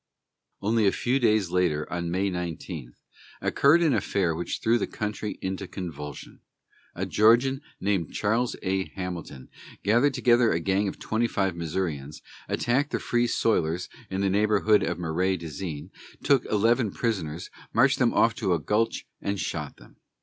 Only a few days later, on May 19, occurred an affair which threw the country into convulsion. A Georgian named Charles A. Hamilton gathered together a gang of twenty five Missourians, attacked the Free Soilers in the neighborhood of Marais des Cygnes, took eleven prisoners, marched them off to a gulch and shot them.